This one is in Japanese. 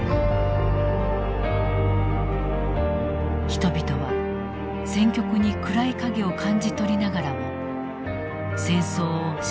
人々は戦局に暗い影を感じ取りながらも戦争を支持し続けた。